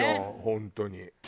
本当に。